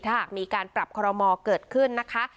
ถ้าหากมีการปรับคอรมอเกิดขึ้นนะคะ